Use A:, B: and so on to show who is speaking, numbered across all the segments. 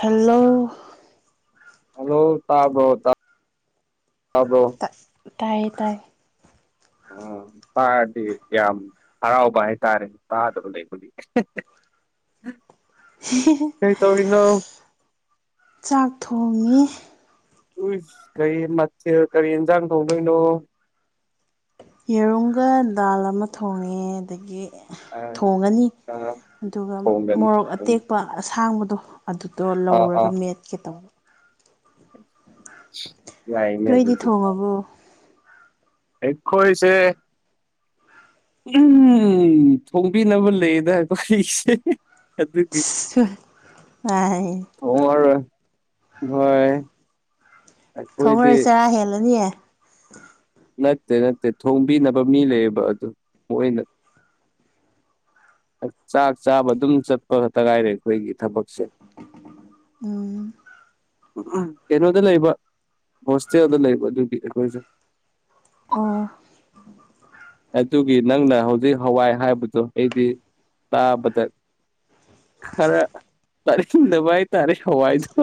A: Hello
B: hello ꯇꯥꯕ꯭ꯔꯣ ꯇꯥꯕ꯭ꯔꯣ
A: ꯇꯥꯏꯌꯦ ꯇꯥꯏꯌꯦ
B: ꯑꯣ ꯇꯥꯔꯗꯤ ꯌꯥꯝ ꯍꯔꯥꯎꯕ ꯍꯥꯏꯇꯥꯔꯦ ꯇꯥꯗꯕ ꯂꯩꯕꯒꯤ
A: [inaudible]
B: ꯀꯔꯤ ꯇꯧꯔꯤꯅꯣ
A: ꯆꯥꯛ ꯊꯣꯡꯉꯤ
B: ꯎꯏꯁ ꯀꯔꯤ ꯃꯊꯦꯜ ꯀꯔꯤ ꯍꯦꯟꯖꯥꯡ ꯊꯣꯡꯗꯣꯏꯅꯣ
A: ꯌꯦꯔꯨꯝꯒ ꯗꯥꯜ ꯑꯃ ꯊꯣꯡꯉꯦ ꯑꯗꯒꯤ
B: ꯑ
A: ꯊꯣꯡꯉꯅꯤ
B: ꯑ
A: ꯑꯗꯨꯒ
B: ꯊꯣꯡꯒꯅꯤ
A: ꯃꯣꯔꯣꯛ ꯑꯇꯦꯛ ꯄꯥ ꯑꯁꯥꯡꯕꯗꯣ ꯑꯗꯨꯗꯣ
B: ꯑꯥ
A: ꯂꯧꯔꯒ
B: ꯑꯥ
A: ꯃꯦꯠꯀꯦ ꯇꯧꯕ
B: [unintelligible] ꯌꯥꯏꯅꯦ
A: ꯅꯣꯏꯗꯤ
B: ꯑꯗꯨꯗꯤ
A: ꯊꯣꯡꯉꯕꯣ
B: ꯑꯩꯈꯣꯏꯁꯦ ꯎꯝ ꯊꯣꯡꯕꯤꯅꯕ ꯂꯩꯗ ꯑꯩꯈꯣꯏꯁꯦ ꯑꯗꯨꯒꯤ ꯊꯣꯡꯉꯔꯣꯏ ꯍꯣꯏ ꯑꯩꯈꯣꯏꯗꯤ
A: ꯊꯣꯡꯉꯔꯣꯏ ꯆꯔꯥ ꯍꯦꯜꯂꯅꯤ
B: ꯅꯠꯇꯦ ꯅꯠꯇꯦ ꯊꯣꯡꯕꯤꯅꯕ ꯃꯤ ꯂꯩꯌꯦꯕ ꯑꯗꯨ ꯃꯣꯏꯅ ꯆꯥꯛ ꯆꯥꯕ ꯑꯗꯨꯝ ꯆꯠꯄ ꯈꯛꯇ ꯉꯥꯏꯔꯦ ꯑꯩꯈꯣꯏꯒꯤ ꯊꯕꯛꯁꯦ
A: ꯎꯝ
B: ꯎ ꯀꯩꯅꯣꯗ ꯂꯩꯕ ꯍꯣꯁꯇꯦꯜꯗ ꯂꯩꯕ ꯑꯗꯨꯒꯤ ꯑꯩꯈꯣꯏꯁꯦ
A: ꯑꯥꯎ
B: ꯑꯗꯨꯒꯤ ꯅꯪꯅ ꯍꯧꯖꯤꯛ ꯍꯋꯥꯏ ꯍꯥꯏꯕꯗꯣ ꯑꯩꯗꯤ ꯇꯥꯕꯗ ꯈꯔ ꯆꯥꯅꯤꯡꯗꯕ ꯍꯥꯏꯇꯔꯦ ꯍꯋꯥꯏꯗꯣ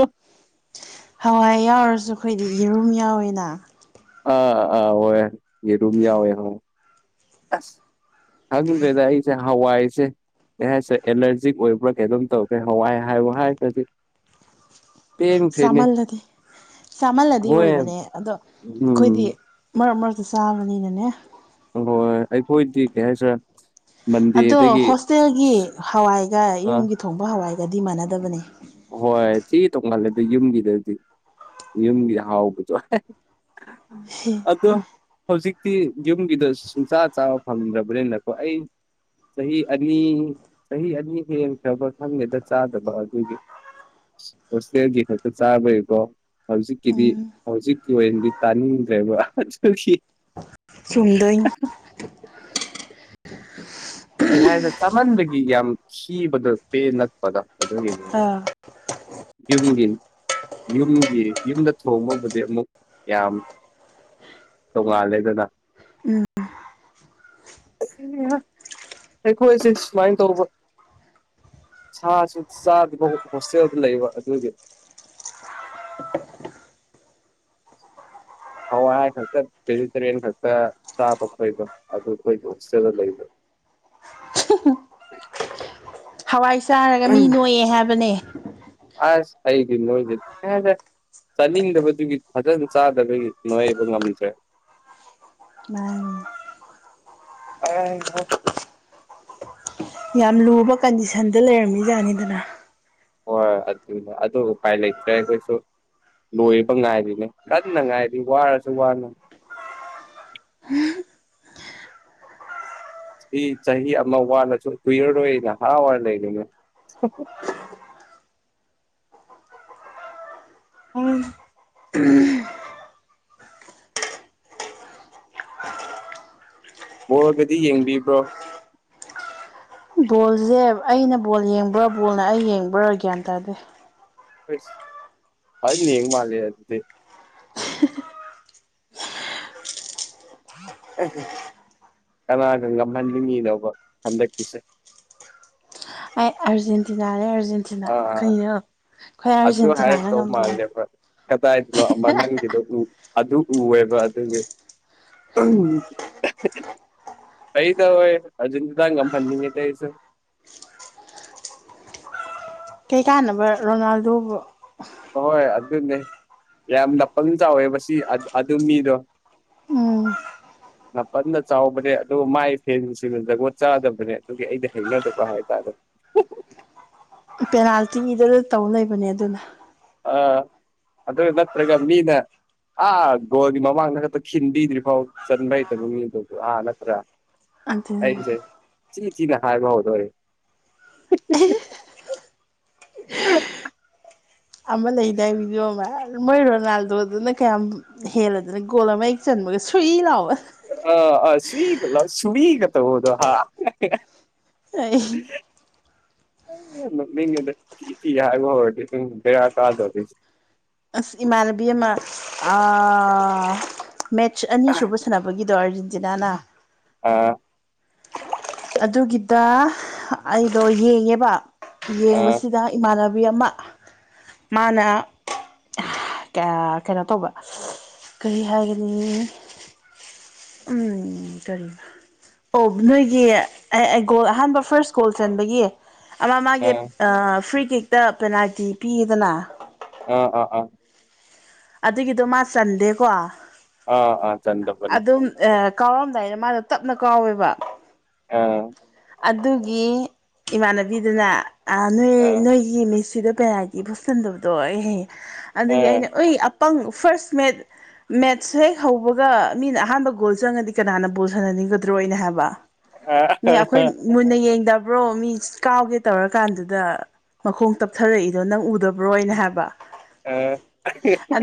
A: ꯍꯋꯥꯏ ꯌꯥꯎꯔꯁꯨ ꯑꯩꯈꯣꯏꯗꯤ ꯌꯦꯔꯨꯝ ꯌꯥꯎꯋꯦꯅ
B: ꯑꯥ ꯑꯥ ꯑꯣꯏ ꯌꯦꯔꯨꯝ ꯌꯥꯎꯋꯦ ꯑꯣꯏ ꯈꯪꯗ꯭ꯔꯦꯗ ꯑꯩꯁꯦ ꯍꯋꯥꯏ ꯁꯦ ꯀꯩ ꯍꯥꯏꯁꯦ ꯑꯦꯂꯔꯖꯤꯛ ꯑꯣꯏꯕ꯭ꯔꯥ ꯀꯩꯅꯣꯝ ꯇꯧꯒ꯭ꯔꯦ ꯍꯋꯥꯏ ꯍꯥꯏꯕ ꯍꯥꯏꯔꯒꯗꯤ
A: [inaudible] ꯆꯥꯃꯜꯂꯗꯤ ꯆꯥꯃꯜꯂꯗꯤ
B: ꯍꯣꯏ
A: ꯑꯣꯏꯕꯅꯦ ꯑꯗꯣ ꯑꯩꯈꯣꯏꯗꯤ
B: ꯎꯝ
A: ꯃꯔꯛ ꯃꯔꯛꯇ ꯆꯥꯕꯅꯤꯅꯅꯦ
B: ꯑꯍꯣꯏ ꯑꯩꯈꯣꯏꯗꯤ ꯀꯩ ꯍꯥꯏꯁꯤꯔ
A: ꯑꯗꯣ ꯍꯣꯁꯇꯦꯜꯒꯤ ꯍꯋꯥꯏꯒ
B: ꯑ
A: ꯌꯨꯝꯒꯤ ꯊꯣꯡꯕ ꯍꯋꯥꯏꯒꯗꯤ ꯃꯥꯟꯅꯗꯕꯅꯦ
B: ꯍꯣꯏ ꯊꯤ ꯇꯣꯡꯉꯜꯂꯦ ꯑꯗꯨ ꯌꯨꯝꯒꯤꯗꯗꯤ ꯌꯨꯝꯒꯤ ꯍꯥꯎꯕꯗꯣ
A: ꯍ‌ꯦ
B: ꯑꯗꯣ ꯍꯧꯖꯤꯛꯇꯤ ꯌꯨꯝꯒꯤꯗ ꯁꯨꯡꯆꯥ ꯆꯥꯕ ꯐꯪꯗ꯭ꯔꯕ꯭ꯔꯦꯅꯀꯣ ꯑꯩ ꯆꯍꯤ ꯑꯅꯤ ꯆꯍꯤ ꯑꯅꯤ ꯍꯦꯟ ꯈꯔꯕ ꯈꯪꯗꯦꯗ ꯆꯥꯗꯕ ꯑꯗꯨꯒꯤ ꯍꯣꯏꯇꯦꯜꯒꯤ ꯈꯛꯇ ꯆꯥꯕꯩ ꯀꯣ ꯍꯧꯖꯤꯛꯀꯤꯗꯤ
A: ꯎꯝ
B: ꯍꯧꯖꯤꯛꯀꯤ ꯑꯣꯏꯅꯗꯤ ꯇꯥꯅꯤꯡꯗ꯭ꯔꯦꯕ ꯑꯗꯨꯒꯤ
A: ꯆꯨꯝꯗꯣꯏꯅꯤ
B: ꯀꯩꯍꯥꯏꯅ ꯆꯥꯃꯟꯕꯒꯤ ꯌꯥꯝ ꯁꯤꯕꯗꯣ ꯄꯦꯟ ꯅꯛꯄꯗꯣ ꯑꯗꯨꯒꯤꯅꯤ
A: ꯑꯥ
B: ꯌꯨꯝꯒꯤ ꯌꯨꯝꯒꯤ ꯌꯨꯝꯗ ꯊꯣꯡꯕꯕꯨꯗꯤ ꯑꯃꯨꯛ ꯌꯥꯝ ꯇꯣꯡꯉꯥꯜꯂꯦꯗꯅ ꯅꯦꯍ ꯑꯩꯈꯣꯏꯁꯦ ꯁꯨꯃꯥꯏꯅ ꯇꯧꯕ ꯁꯥꯁꯨ ꯆꯥꯗꯕ ꯍꯣꯁꯇꯦꯜꯗ ꯂꯩꯕ ꯑꯗꯨꯒꯤ ꯍꯋꯥꯏ ꯈꯛꯇ ꯚꯦꯖꯤꯇꯔꯤꯟ ꯈꯛꯇ ꯆꯥꯕ ꯈꯣꯏꯗꯣ ꯑꯗꯨ ꯑꯩꯈꯣꯏꯗ ꯍꯣꯁꯇꯦꯜꯗ ꯂꯩꯕ
A: ꯍꯋꯥꯏ ꯆꯥꯔꯒ ꯃꯤ ꯅꯣꯏꯑꯦ ꯍꯥꯏꯕꯅꯦ
B: ꯑꯁ ꯑꯩꯗꯤ ꯅꯣꯏꯗꯦ ꯆꯥꯅꯤꯡꯗꯕꯗꯨꯒꯤ ꯐꯖꯅ ꯆꯥꯗꯕꯒꯤ ꯅꯣꯏꯕ ꯉꯝꯗ꯭ꯔꯦ
A: ꯃꯥꯟ
B: [unintelligible]
A: ꯌꯥꯝ ꯂꯨꯕ ꯀꯟꯗꯤꯁꯟꯗ ꯂꯩꯔꯝꯃꯤꯖꯥꯠꯅꯤꯗꯅ
B: ꯍꯣꯏ ꯑꯗꯨ ꯑꯗꯨ ꯎꯄꯥꯏ ꯂꯩꯇ꯭ꯔꯦ ꯑꯩꯈꯣꯏꯁꯨ ꯂꯣꯏꯕ ꯉꯥꯏꯔꯤꯅꯦ ꯀꯟꯅ ꯉꯥꯏꯔꯤ ꯋꯥꯔꯁꯨ ꯋꯥꯅ ꯏ ꯆꯍꯤ ꯑꯃ ꯋꯥꯜꯂꯁꯨ ꯀꯨꯏꯔꯔꯣꯏꯅ ꯍꯔꯥꯎ ꯋꯥꯏꯔ ꯂꯩꯕꯅꯦ꯫ ꯎꯝ
A: ꯎꯝ
B: ꯕꯣꯜꯒꯗꯤ ꯌꯦꯡꯕꯤꯕ꯭ꯔꯣ?
A: ꯕꯣꯜꯁꯦ ꯑꯩꯅ ꯕꯣꯜ ꯌꯦꯡꯕ꯭ꯔꯥ ꯕꯣꯜꯅ ꯑꯩ ꯌꯦꯡꯕ꯭ꯔꯥ ꯒ꯭ꯌꯥꯟ ꯇꯥꯗꯦ꯫
B: ꯐꯖꯟꯅ ꯌꯦꯡ ꯃꯥꯂꯦ ꯑꯗꯨꯗꯤ꯫ ꯀꯅꯥꯒ ꯉꯝꯍꯟꯅꯤꯡꯉꯤꯅꯣꯕ ꯍꯟꯗꯛꯀꯤꯁꯦ꯫
A: ꯑꯩ ꯑꯥꯔꯖꯦꯟꯇꯤꯅꯥꯅꯦ ꯑꯥꯔꯖꯦꯟꯇꯤꯅꯥ
B: ꯑꯥ
A: ꯀꯩꯅꯣ ꯈꯣꯏ ꯑꯥꯔꯖꯦꯟꯇꯤꯅꯥꯅ ꯉꯝꯗꯣꯏꯅꯦ꯫
B: ꯀꯗꯥꯥꯏꯅꯣ ꯑꯃ ꯅꯪꯒꯤꯗꯣ ꯑꯗꯨ ꯎꯑꯦꯕ ꯑꯗꯨꯒꯤ꯫ ꯑꯩꯗꯣ ꯍꯣꯏ ꯑꯥꯔꯖꯦꯟꯇꯤꯅꯥ ꯉꯝꯍꯟꯅꯤꯡꯉꯦꯗ ꯑꯩꯁꯨ꯫
A: ꯀꯩꯀꯥꯟꯅꯕ ꯔꯣꯅꯥꯜꯗꯣꯕꯨ꯫
B: ꯍꯣ ꯍꯣꯏ ꯑꯗꯨꯅꯦ ꯌꯥꯝ ꯂꯄ ꯆꯥꯎꯋꯦ ꯑꯗꯨ ꯃꯤꯗꯣ꯫
A: ꯎꯝ
B: ꯅꯥꯄꯟ ꯆꯥꯎꯕꯅꯦ ꯑꯗꯨꯒ ꯃꯥꯏ ꯐꯦꯟꯁꯤꯡꯅ ꯖꯒꯣꯠ ꯆꯥꯗꯕꯅꯦ ꯑꯗꯨꯒꯤ ꯑꯩꯗꯤ ꯍꯩꯅꯗꯕ ꯍꯥꯏꯇꯥꯔꯦ꯫
A: [inaudible] ꯄꯦꯅꯥꯜꯇꯤꯗ ꯇꯧ ꯂꯩꯕꯅꯦ ꯑꯗꯨꯅ
B: ꯑ ꯑꯗꯨ ꯅꯠꯇ꯭ꯔꯒ ꯃꯤꯅ ꯑꯥ ꯒꯣꯜꯒꯤ ꯃꯃꯥꯡꯗ ꯈꯛꯇ ꯈꯤꯟꯕꯤꯗ꯭ꯔꯤꯐꯥꯎ ꯆꯟꯕ ꯍꯩꯇꯕ ꯃꯤꯗꯣ ꯑꯥ ꯅꯠꯇ꯭ꯔꯥ꯫
A: ꯑꯗꯨ
B: ꯑꯩꯁꯦ ꯆꯤ ꯆꯤꯅ ꯍꯥꯏꯕ ꯍꯧꯗꯣꯔꯦ꯫ [unintelligible]
A: ꯑꯃ ꯂꯩꯗꯥꯏ ꯕꯤꯗꯤꯑꯣ ꯑꯃ ꯃꯣꯏ ꯔꯣꯅꯥꯜꯗꯣꯗꯨꯅ ꯀꯌꯥꯝ ꯍꯦꯜꯂꯗꯅ ꯒꯣꯜ ꯑꯃ ꯑꯩ ꯆꯟꯕꯒ ꯁꯨꯏ ꯂꯥꯎꯕ
B: ꯑ ꯑ ꯁꯒꯂ ꯁꯃꯒ ꯇꯧꯕꯗꯣ ꯍꯥ [inaudible]
A: ꯑꯩ
B: ꯅꯝꯅꯤꯡꯉꯦꯗ ꯊꯤ ꯊꯤ ꯍꯥꯏꯕ ꯍꯧꯔꯗꯤ ꯎꯝ ꯕꯦꯔꯥ ꯀꯥꯗꯣꯔꯤ꯫
A: ꯑꯁ ꯏꯃꯥꯟꯅꯕꯤ ꯑꯃ ꯑꯥ ꯃꯦꯠꯆ ꯑꯅꯤ ꯁꯨꯕ ꯁꯥꯟꯅꯕꯒꯤ ꯑꯗꯨ ꯑꯔꯖꯦꯟꯇꯤꯅꯅꯥ꯫
B: ꯑꯥ
A: ꯑꯗꯨꯒꯤꯗ ꯑꯩꯗꯣ ꯌꯦꯡꯉꯦꯕ
B: ꯑꯥ
A: ꯌꯦꯡꯕꯁꯤꯗ ꯏꯃꯥꯟꯅꯕꯤ ꯑꯃ ꯃꯥꯅ ꯀꯩꯅꯣ ꯇꯧꯕ ꯀꯩ ꯍꯥꯏꯒꯅꯤ ꯎꯝ ꯀꯔꯤ ꯑꯣ ꯅꯣꯏꯒꯤ ꯑꯩ ꯑꯩ ꯒꯣꯜ ꯑꯍꯥꯟꯕ ꯐꯥꯔ꯭ꯁ ꯒꯣꯜ ꯆꯟꯕꯒꯤ ꯑꯃ ꯃꯥꯒꯤ
B: ꯑꯥ
A: ꯐ꯭ꯔꯤ ꯀꯦꯛ ꯗ ꯄꯦꯅꯥꯜꯇꯤ ꯄꯤꯌꯦꯗꯅ
B: ꯑꯥ ꯑꯥ ꯑꯥ
A: ꯑꯗꯨꯒꯤꯗꯣ ꯃꯥ ꯆꯟꯗꯦꯀꯣ꯫
B: ꯑꯥ ꯑꯥ ꯆꯟꯗꯕꯅꯦ
A: ꯑꯗꯨꯝ ꯑꯦ ꯀꯥꯎꯔꯝꯗꯥꯏꯗ ꯃꯥꯗꯣ ꯇꯞꯅ ꯀꯥꯎꯋꯦꯕ
B: ꯑꯥ
A: ꯑꯗꯨꯒꯤ ꯏꯃꯥꯟꯅꯕꯤꯗꯨꯅ ꯑꯥ ꯅꯣꯏ
B: ꯑꯥ
A: ꯅꯣꯏ ꯑꯩꯒꯤ ꯃꯤꯠꯁꯤꯗ ꯄꯦꯅꯥꯜꯇꯤ ꯐꯥꯎ ꯆꯟꯗꯕꯗꯣ ꯑꯦꯍꯦ ꯑꯗꯨꯗꯒꯤ
B: ꯑꯥ
A: ꯑꯩꯅ ꯑꯣꯏ ꯄꯪ ꯐꯥꯔꯁ ꯃꯦꯠ ꯃꯦꯠꯁ ꯍꯦꯛ ꯍꯧꯕꯒ ꯃꯤꯅ ꯑꯍꯥꯟꯕ ꯒꯣꯜ ꯆꯪꯉꯗꯤ ꯀꯅꯥꯅ ꯕꯣꯜ ꯁꯥꯟꯅꯅꯤꯡꯒꯗ꯭ꯔꯣꯅ ꯑꯩꯅ ꯍꯥꯏꯕ꯫ ꯃꯤ ꯑꯩꯈꯣꯏ
B: ꯑꯥ
A: ꯃꯨꯟꯅ ꯌꯦꯡꯗꯕ꯭ꯔꯣ ꯃꯤ ꯀꯥꯎꯒꯦ ꯇꯧꯔꯀꯥꯟꯗꯨꯗ ꯃꯈꯣꯡ ꯇꯞꯊꯔꯏꯗꯣ ꯅꯪ ꯎꯗꯕ꯭ꯔꯣ ꯑꯩꯅ ꯍꯥꯏꯕ
B: ꯑ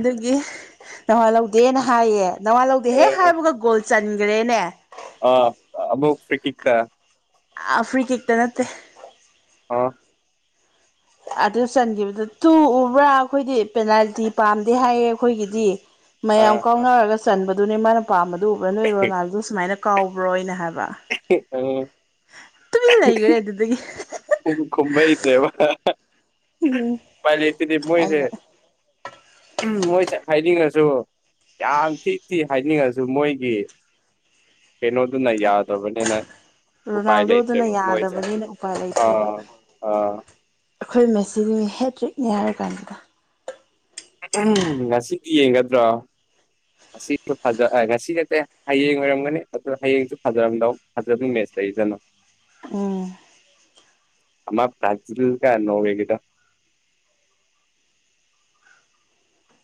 A: ꯗꯨꯒꯤ ꯅꯋꯥꯥ ꯂꯧꯗꯦꯅ ꯍꯥꯏꯌꯦ ꯅꯋꯥ ꯂꯧꯗꯦ ꯍꯦꯛ ꯍꯥꯏꯕꯒ ꯒꯣꯜ ꯆꯟꯒꯔꯦꯅꯦ
B: ꯑ ꯑꯃꯨꯛ ꯐꯔ꯭ꯤ ꯀꯤꯛꯇ
A: ꯑ ꯐ꯭ꯔꯤ ꯀꯤꯛꯇ ꯅꯠꯇꯦ
B: ꯑꯣ
A: ꯑꯗꯨ ꯆꯟꯒꯤꯕꯗꯨ ꯇꯨ ꯎꯕ꯭ꯔꯥ ꯑꯈꯣꯏꯗꯤ ꯄꯦꯅꯥꯜꯇꯤ ꯄꯥꯝꯗꯦ ꯍꯥꯏꯌꯦ ꯑꯈꯣꯏꯒꯤꯗꯤ ꯃꯌꯥꯝ
B: ꯑꯥ ꯑꯥ
A: ꯀꯥꯎꯅꯔꯒ ꯆꯟꯕꯗꯨꯅꯦ ꯃꯥꯅ ꯄꯥꯝꯕꯗꯨ ꯎꯕ꯭ꯔꯥ ꯅꯣꯏ ꯔꯣꯅꯥꯜꯗꯣ ꯁꯨꯃꯥꯏꯅ ꯀꯥꯎꯕ꯭ꯔꯣ ꯑꯩꯅ ꯍꯥꯏꯕ
B: [unintelligible]
A: ꯇꯨꯃꯤꯟ ꯂꯩꯒꯔ꯭ꯦ ꯑꯗꯨꯗꯒꯤ
B: [unintelligible] ꯈꯨꯝꯕ ꯍꯩꯇ꯭ꯔꯦꯕ
A: ꯎꯝ
B: ꯄꯥꯏ ꯂꯦꯇꯗꯤ ꯃꯣꯏꯁꯦ
A: ꯑꯩꯅ
B: ꯃꯣꯏꯁꯦ ꯍꯥꯏꯅꯤꯡꯉꯁꯨ ꯌꯥꯝ ꯊꯤ ꯊꯤ ꯍꯥꯏꯅꯤꯡꯉꯁꯨ ꯃꯣꯏꯒꯤ ꯀꯦꯅꯣꯗꯨꯅ ꯑꯗꯨꯅ ꯌꯥꯗ ꯇꯕꯅꯤꯅ ꯎꯄꯥꯏ
A: ꯔꯣꯅꯥꯜꯗꯣꯗꯨꯅ
B: ꯂꯩꯇ꯭ꯔꯦꯕ ꯃꯣꯏꯁꯦ
A: ꯌꯥꯗꯕꯅꯤꯅ
B: ꯑꯥ ꯑꯥ
A: ꯑꯈꯣꯏ ꯃꯦꯁꯤꯅꯤ ꯍꯦꯇꯔꯤꯛꯅꯦ ꯍꯥꯏꯔ ꯀꯥꯟꯗꯨꯗ
B: ꯉꯁꯤꯗꯤ ꯌꯦꯡꯒꯗ꯭ꯔꯣ
A: [unintelligible]
B: ꯁꯤꯁꯨ ꯐꯖ ꯉꯁꯤ ꯅꯠꯇꯦ ꯍꯌꯦꯡ ꯑꯣꯏꯔꯝꯒꯅꯤ ꯑꯗꯨ ꯍꯌꯦꯡꯁꯨ ꯐꯖꯔꯝꯗꯧ ꯐꯖꯕꯤ ꯃꯦꯁ ꯂꯩꯔꯤꯗꯅ
A: ꯑꯣ
B: ꯑꯃ ꯕ꯭ꯔꯥꯖꯤꯜꯒ ꯅꯣꯔꯋꯦꯒꯗꯣ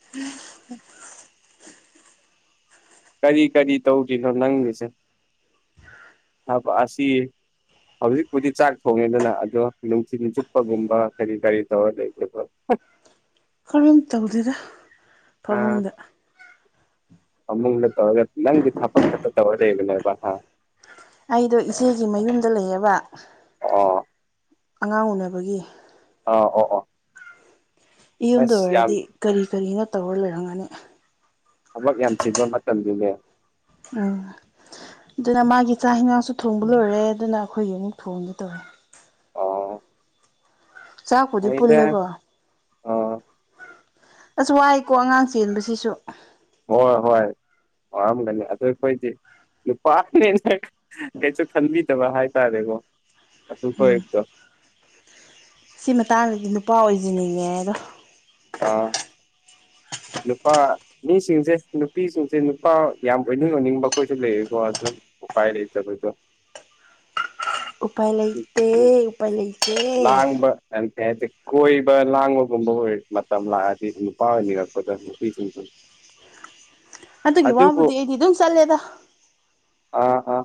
B: [unintelligible] ꯀꯔꯤ ꯀꯔꯤ ꯇꯧꯒꯤꯅꯣ ꯅꯪꯒꯤꯁꯦ ꯊꯕꯛ ꯑꯁꯤ ꯍꯧꯖꯤꯛꯄꯨꯗꯤ ꯆꯥꯛ ꯊꯣꯡꯉꯦꯗꯅ ꯑꯗꯣ ꯅꯨꯡꯊꯤꯟ ꯆꯨꯞꯄꯒꯨꯝꯕ ꯀꯔꯤ ꯒꯥꯔꯤ ꯇꯧꯔ ꯂꯩꯒꯦꯕ [unintelligible]
A: ꯀꯔꯤꯝ ꯇꯧꯗꯦꯗ
B: ꯑꯥ
A: ꯐꯃꯨꯡꯗ
B: ꯐꯃꯨꯡꯗ [unintelligible] ꯅꯪꯗꯤ ꯊꯕꯛ ꯈꯛꯇ ꯇꯧꯔ ꯂꯩꯕꯅꯦꯕ ꯍꯥ
A: ꯑꯩꯗꯣ ꯏꯆꯦꯒꯤ ꯃꯌꯨꯝꯗ ꯂꯩꯌꯦꯕ
B: ꯑꯣ
A: ꯑꯉꯥꯡ ꯎꯅꯕꯒꯤ
B: ꯑꯥ ꯑꯣ ꯑꯣ
A: ꯏꯌꯨꯝꯗ
B: ꯑꯁ ꯌꯥꯝ
A: ꯑꯣꯏꯔꯗꯤ ꯀꯔꯤ ꯀꯔꯤꯅꯣ ꯇꯧꯔ ꯂꯩꯔꯝꯒꯅꯤ
B: ꯊꯕꯛ ꯌꯥꯝ ꯆꯤꯟꯕ ꯃꯇꯝꯗꯨꯅꯦ
A: ꯎꯝ ꯗꯨꯅ ꯃꯥꯒꯤ ꯆꯥꯛ ꯍꯤꯅꯥꯡꯁꯨ ꯊꯣꯡꯕ ꯂꯣꯏꯔꯦ ꯗꯨꯅ ꯑꯈꯣꯏꯒꯤ ꯑꯃꯨꯛ ꯊꯣꯡꯒꯦ ꯇꯧꯔꯦ
B: ꯑ
A: ꯆꯥꯛꯄꯨꯗꯤ ꯄꯨꯜꯂꯦꯀꯣ
B: ꯑꯣ
A: ꯑꯁ ꯋꯥꯏꯀꯣ ꯑꯉꯥꯡ ꯆꯦꯟꯕꯁꯤꯁꯨ
B: ꯍꯣꯏ ꯍꯣꯏ ꯋꯥꯔꯝꯒꯅꯤ ꯑꯗꯨ ꯑꯩꯈꯣꯏꯗꯤ ꯅꯨꯄꯥꯅꯤꯅ ꯀꯩꯁꯨ ꯈꯟꯕꯤꯗꯕ ꯍꯥꯏꯇꯥꯔꯦꯀꯣ ꯑꯗꯨ
A: ꯎꯝ
B: ꯍꯣꯏꯗꯣ
A: ꯁꯤ ꯃꯇꯥꯡꯖꯤꯗꯤ ꯅꯨꯄꯥ ꯑꯣꯏꯖꯅꯤꯡꯉꯦ ꯑꯗꯣ
B: ꯑ ꯅꯨꯄꯥ ꯃꯤꯁꯤꯡꯁꯦ ꯅꯨꯄꯤꯁꯤꯡꯁꯦ ꯅꯨꯄꯥ ꯌꯥꯝ ꯑꯣꯏꯅꯤꯡ ꯑꯣꯏꯅꯤꯡꯕ ꯈꯣꯏꯁꯨ ꯂꯩꯌꯦꯀꯣ ꯑꯗꯨ ꯎꯄꯥꯥꯏ ꯂꯩꯇꯕꯗꯣ
A: ꯎꯄꯥꯏ ꯂꯩꯇꯦ ꯎꯄꯥꯏ ꯂꯩꯇꯦ
B: ꯀꯩꯝ ꯀꯥꯏꯗꯦ ꯀꯣꯏꯕ ꯂꯥꯡꯕꯒꯨꯝꯕ ꯑꯣꯏ ꯃꯇꯝ ꯂꯥꯑꯗꯤ ꯅꯨꯄꯥ ꯑꯣꯏꯅꯤꯡꯉꯛꯄꯗꯣ ꯅꯨꯄꯤ [unintelligible]
A: [unintelligible] ꯑꯗꯨꯒꯤ ꯋꯥꯕꯨꯗꯤ ꯑꯩꯗꯤ ꯑꯗꯨꯝ ꯆꯠꯂꯦꯗ
B: ꯑꯥ ꯑꯥ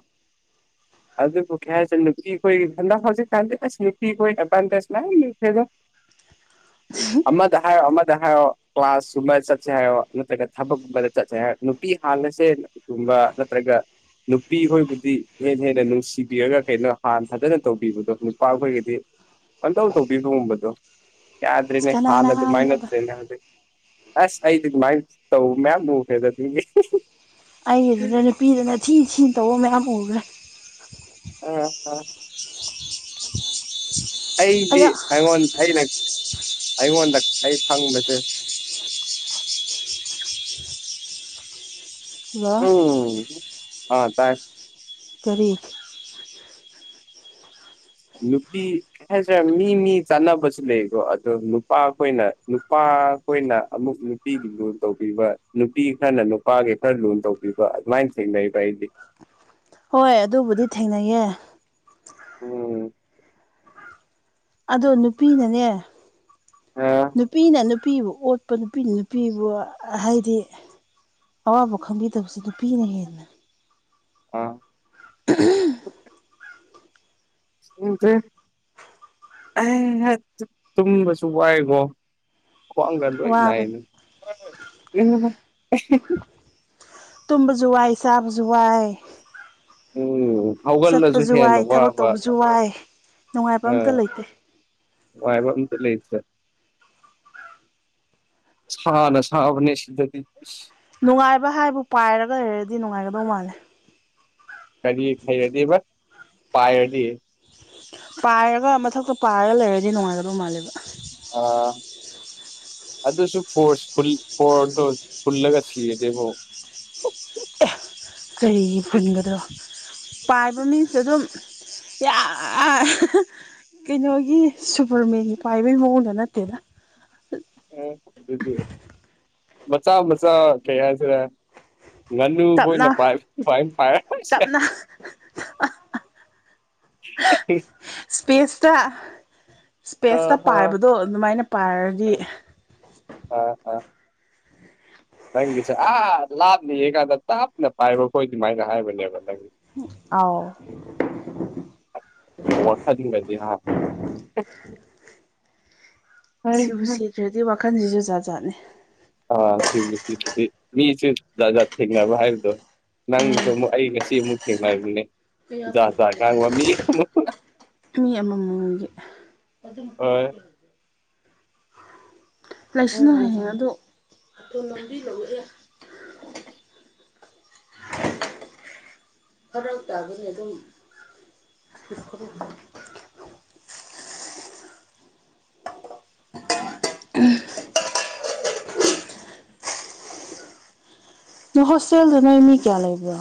B: ꯑꯗꯨꯕꯨ ꯀꯩ ꯍꯥꯏꯁꯦ ꯅꯨꯄꯤꯈꯣꯏ ꯍꯟꯗꯛ ꯍꯧꯖꯤꯛꯀꯥꯟꯗꯤ ꯑꯁ ꯅꯨꯄꯤ ꯈꯣꯏ ꯑꯦꯗꯚꯥꯟꯇꯦꯖ ꯃꯌꯥꯝ ꯂꯩꯈ꯭ꯔꯦꯗꯣ
A: [unintelligible]
B: ꯑꯃꯗ ꯍꯥꯏꯔꯣ ꯑꯃꯗ ꯍꯥꯏꯔꯣ ꯀ꯭ꯂꯥꯁꯀꯨꯝꯕꯗ ꯆꯠꯁꯦ ꯍꯥꯏꯔꯣ ꯅꯠꯇ꯭ꯔꯒ ꯊꯕꯛꯀꯨꯝꯕꯗ ꯆꯠꯁꯦ ꯍꯥꯏꯔꯣ ꯅꯨꯄꯤ ꯍꯥꯟꯅ [unintelligible] ꯒꯨꯝꯕ ꯅꯠꯇ꯭ꯔꯒ ꯅꯨꯄꯤ ꯍꯣꯏꯕꯨꯗꯤ ꯍꯦꯛ ꯍꯦꯛ ꯅ ꯅꯨꯡꯁꯤꯕꯤꯔꯒ ꯀꯩꯅꯣ ꯍꯥꯟꯅ ꯐꯖꯅ ꯇꯧꯕꯤꯕꯗꯣ ꯅꯨꯄꯥꯈꯣꯏꯒꯤꯗꯤ ꯄꯪꯇꯧ ꯇꯧꯕꯤꯕꯒꯨꯝꯕꯗꯣ ꯌꯥꯗ꯭ꯔꯦꯅꯦ ꯍꯥꯟꯅ
A: ꯀꯅꯥꯅ
B: ꯑꯗꯨꯃꯥꯏꯅ
A: ꯍꯥꯏꯕꯅꯣꯗ
B: [unintelligible] ꯑꯁ ꯑꯩꯗꯤ ꯑꯗꯨꯃꯥꯏꯅ ꯇꯧꯕ ꯃꯌꯥꯝ ꯎꯈ꯭ꯔꯦꯗ ꯑꯗꯨꯗꯤ
A: ꯑꯩꯒꯤꯗꯨꯗ ꯅꯨꯄꯤꯗꯅ ꯊꯤ ꯊꯤꯟ ꯇꯧꯕ ꯃꯌꯥꯝ ꯎꯈ꯭ꯔꯦ
B: [unintelligible] ꯑꯩꯗꯤ
A: ꯑꯌꯥ
B: ꯑꯩꯉꯣꯟ ꯑꯩꯅ ꯑꯩꯉꯣꯟꯗ ꯑꯩ ꯈꯪꯕꯁꯦ
A: ꯍꯜꯂꯣ
B: ꯎꯝ ꯑꯥ ꯇꯥꯏ
A: ꯀꯔꯤ
B: ꯅꯨꯄꯤ ꯍꯥꯏꯁꯤꯔꯥ ꯃꯤ ꯃꯤ ꯆꯥꯟꯅꯕꯁꯨ ꯂꯩꯀꯣ ꯑꯗꯣ ꯅꯨꯄꯥ ꯈꯣꯏꯅ ꯅꯨꯄꯥ ꯈꯣꯏꯅ ꯑꯃꯨꯛ ꯅꯨꯄꯤꯒꯤ ꯂꯨꯟ ꯇꯧꯕꯤꯕ ꯅꯨꯄꯤ ꯈꯔꯅ ꯅꯨꯄꯥꯒꯤ ꯈꯔ ꯂꯨꯟ ꯇꯧꯕꯤꯕ ꯕ ꯑꯗꯨꯃꯥꯏꯟ ꯊꯦꯡꯅꯩꯌꯦꯕ ꯑꯩꯗꯤ
A: ꯍꯣꯏ ꯑꯗꯨꯕꯨꯗꯤ ꯊꯦꯡꯅꯩꯌꯦ
B: ꯎꯝ
A: ꯑꯗꯣ ꯅꯨꯄꯤꯅꯅꯦ
B: ꯑ
A: ꯅꯨꯄꯤꯅ ꯅꯨꯄꯤꯕꯨ ꯑꯣꯠꯄ ꯅꯨꯄꯤꯅ ꯅꯨ ꯅꯨꯄꯤꯕꯨ ꯍꯥꯏꯗꯤ ꯑꯋꯥꯕ ꯈꯪꯕꯤꯗꯕꯁꯤ ꯅꯨꯄꯤꯅ ꯍꯦꯜꯂꯦ
B: ꯑꯥ
A: [unintelligible]
B: ꯎꯗ꯭ꯔꯦ [unintelligible] ꯇꯨꯝꯕꯁꯨ ꯋꯥꯏꯒꯣ ꯈ꯭ꯋꯥꯡꯒ ꯂꯣꯏꯟ ꯅꯥꯏ
A: ꯋꯥꯕꯅꯤ
B: [unintelligible]
A: ꯇꯨꯝꯕꯖꯨ ꯋꯥꯏ ꯆꯥꯕꯖꯨ ꯋꯥꯏ
B: ꯎꯝ ꯍꯧꯒꯠꯂꯁꯨ
A: ꯆꯠꯄꯁꯨ
B: ꯍꯦꯟꯅ
A: ꯋꯥꯏ ꯊꯕꯛ
B: ꯋꯥꯕ
A: ꯇꯧꯕꯁꯨ ꯋꯥꯏ ꯅꯨꯡꯉꯥꯏꯕ ꯑꯝꯇ
B: ꯑꯥ
A: ꯂꯩꯇꯦ
B: ꯅꯨꯉꯥꯢꯕ ꯑꯝꯇ ꯂꯩꯇꯦ ꯁꯅ ꯁꯥꯕꯅꯦ ꯁꯤꯗꯗꯤ [unintelligible]
A: ꯅꯨꯡꯉꯥꯏꯕ ꯍꯥꯏꯕꯨ ꯄꯥꯏꯔꯒ ꯂꯩꯔꯗꯤ ꯅꯨꯡꯉꯥꯏꯒꯗꯧ ꯃꯥꯜꯂꯦ
B: ꯀꯔꯤ ꯍꯩꯔꯗꯤꯕ ꯄꯥꯏꯔꯗꯤ
A: ꯄꯥꯏꯔꯒ ꯃꯊꯛꯇ ꯄꯥꯏꯔꯒ ꯂꯩꯔꯗꯤ ꯅꯨꯡꯉꯥꯏꯒꯗꯧ ꯃꯥꯜꯂꯦꯕ
B: ꯑꯥ ꯑꯗꯨꯁꯨ ꯐꯣꯔꯁ [unintelligible] ꯐꯣꯔꯗꯣ ꯐꯨꯜꯂꯒ ꯁꯤꯔꯗꯤꯕꯣ
A: [unintelligible] ꯀꯔꯤꯒꯤ ꯐꯨꯟꯒꯗ꯭ꯔꯣ ꯄꯥꯏꯕ ꯃꯤꯁꯨ ꯑꯗꯨꯝ ꯌꯥ [unintelligible] ꯀꯩꯅꯣꯒꯤ ꯁꯨꯄꯔ ꯃꯦꯟꯒꯤ ꯄꯥꯏꯕꯩ ꯃꯑꯣꯡꯒ ꯅꯠꯇꯦꯅ
B: [unintelligible] ꯑꯗꯨꯗꯤ ꯃꯆꯥ ꯃꯆꯥ ꯀꯩ ꯍꯥꯏꯁꯤꯔꯥ
A: ꯇꯞꯅ
B: ꯉꯥꯅꯨꯈꯣꯏꯅ ꯄꯥꯏ [unintelligible]
A: ꯇꯞꯅ
B: [unintelligible]
A: ꯁ꯭ꯄꯦꯁꯇ ꯁ꯭ꯄꯦꯁꯇ
B: ꯑꯥ
A: ꯄꯥꯏꯕꯗꯣ ꯑꯗꯨꯃꯥꯏꯅ ꯄꯥꯏꯔꯗꯤ
B: [unintelligible] ꯅꯪꯒꯤꯁꯦ ꯑꯥ ꯂꯥꯞꯅ ꯌꯦꯡꯒꯥꯟꯗ ꯇꯞꯅ ꯄꯥꯏꯕꯈꯣꯏ ꯑꯗꯨꯃꯥꯏꯅ ꯍꯥꯏꯕꯅꯦꯕ ꯅꯪꯒꯤꯁꯦ
A: ꯑꯥꯎ
B: ꯋꯥꯈꯟꯒꯗꯤ ꯍꯥ [unintelligible]
A: ꯔ‌ꯦꯗꯤ ꯋꯥꯈꯜꯁꯤꯁꯨ ꯖꯥꯠꯖꯥꯠꯅꯤ
B: ꯑꯥ ꯁꯤꯁ ꯁꯤꯁꯤꯗꯤ ꯃꯤꯁꯦ ꯖꯥꯠ ꯖꯥꯠꯊꯦꯡꯅꯕ ꯍꯥꯏꯕꯗꯣ
A: ꯎꯝ
B: ꯅꯪꯁꯨ ꯑꯃꯨꯛ ꯑꯩ ꯉꯁꯤ ꯑꯃꯨꯛ ꯊꯦꯡꯅꯃꯤꯅꯦ ꯏꯥꯥ ꯉꯥꯡꯕ ꯃꯤ ꯑꯃ
A: ꯃꯤ ꯑꯃꯃꯝꯒꯤ
B: ꯍꯣꯏ
A: ꯂꯩꯁꯅꯨ ꯍꯌꯦꯡ ꯑꯗꯣ ꯐꯔꯛ ꯇꯥꯒꯅꯤ ꯑꯗꯨꯝ [unintelligible] ꯅꯣꯏ ꯍꯣꯁꯇꯦꯜꯗꯅ ꯃꯤ ꯀꯌꯥ ꯂꯩꯕ꯭ꯔꯣ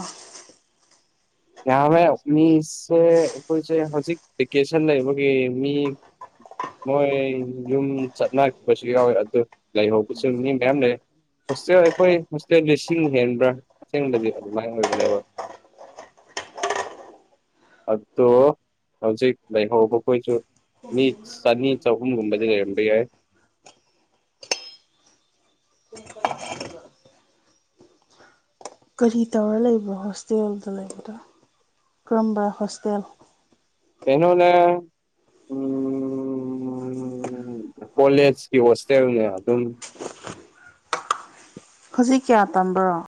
B: ꯌꯥꯃꯦ ꯃꯤꯁꯦ ꯑꯩꯈꯣꯏꯁꯦ ꯍꯧꯖꯤꯛ ꯚꯦꯀꯦꯁꯟ ꯂꯩꯕꯒꯤ ꯃꯤ ꯃꯣꯏ ꯌꯨꯝ ꯆꯠꯅꯈꯤꯕꯁꯨ ꯌꯥꯎꯋꯦ ꯑꯗꯨ ꯂꯩꯍꯧꯕꯁꯨ ꯃꯤ ꯃꯌꯥꯝ ꯂꯩ ꯍꯣꯁꯇꯦꯜ ꯑꯩꯈꯣꯏ ꯍꯣꯁꯇꯦꯜ ꯂꯤꯁꯤꯡ ꯍꯦꯟꯕ꯭ꯔꯥ ꯑꯁꯦꯡꯕꯗꯤ ꯑꯗꯨꯃꯥꯏꯅ ꯑꯣꯏꯕꯅꯦꯕ ꯑꯗꯣ ꯍꯧꯖꯤꯛ ꯂꯩꯍꯧꯕꯈꯣꯏꯁꯨ ꯃꯤ ꯆꯅꯤ ꯆꯥꯍꯨꯝꯒꯨꯝꯕꯗꯤ ꯂꯩꯔꯝꯕ ꯌꯥꯏ
A: ꯀꯔꯤ ꯇꯧꯔ ꯂꯩꯕꯣ ꯍꯣꯁꯇꯦꯜꯗ ꯂꯩꯕꯗꯣ ꯀꯔꯝꯕ ꯍꯣꯁꯇꯦꯜ
B: ꯀꯩꯅꯣꯅꯦ ꯎꯝ ꯀꯣꯂꯦꯖꯀꯤ ꯍꯣꯁꯇꯦꯜꯅꯦ ꯑꯗꯨꯝ
A: ꯍꯧꯖꯤꯛ ꯀꯌꯥ ꯇꯝꯕ꯭ꯔꯣ